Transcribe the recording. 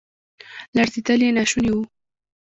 لړزیدل یې ناشوني وو.